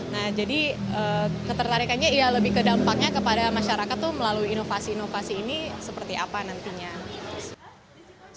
nah jadi ketertarikannya iya lebih ke dampaknya kepada masyarakat tuh melalui inovasi inovasi ini seperti apa nantinya